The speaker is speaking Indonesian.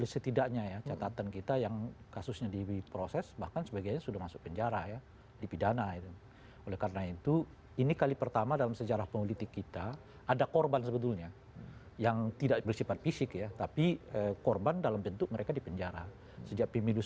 setidaknya catatan kita yang kasusnya diproses bahkan sebagiannya sudah masuk penjara ya dipidana itu oleh karena itu ini kali pertama dalam sejarah peneliti kita ada korban sebetulnya yang tidak bersifat fisik ya tapi korban dalam bentuk mereka dipenjara sejak pemilu sembilan puluh sembilan dua ribu empat dua ribu sembilan dua ribu empat belas